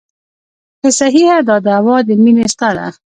که صحیحه دا دعوه د مینې ستا ده.